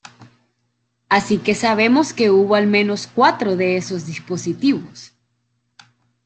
Así que sabemos que hubo al menos cuatro de esos dispositivos.